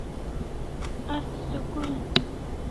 Asi school